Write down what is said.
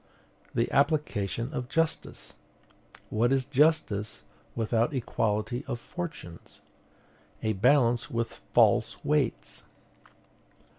"The application of justice." What is justice without equality of fortunes? A balance with false weights.